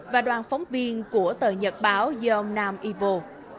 và đoàn phóng viên của tờ nhật báo gyeongnam epo